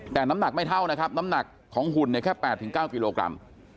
แต่น้ำหนักไม่เท่านะครับน้ำหนักของหุ่นเนี่ยแค่๘๙กิโลกรัม